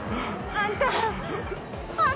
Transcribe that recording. あんた！